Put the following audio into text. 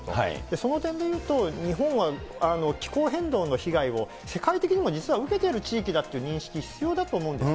その点で言うと、日本は気候変動の被害を世界的にも実は受けている地域だっていう認識、必要だと思うんですよ。